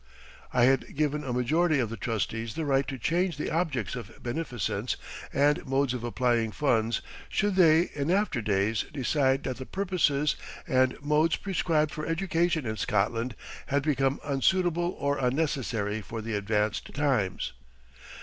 I had given a majority of the trustees the right to change the objects of beneficence and modes of applying funds, should they in after days decide that the purposes and modes prescribed for education in Scotland had become unsuitable or unnecessary for the advanced times.